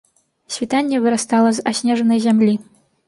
Світанне вырастала з аснежанай зямлі.